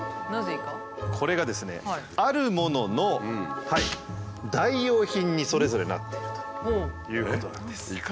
これがですねあるものの代用品にそれぞれなっているということなんです。